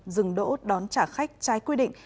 rừng đỗ đón trả khách trái quy định